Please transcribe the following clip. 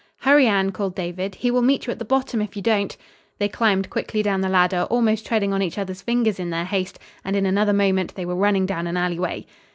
"Hurry, Anne!" called David. "He will meet you at the bottom if you don't." They climbed quickly down the ladder, almost treading on each other's fingers in their haste, and in another moment they were running down an alleyway.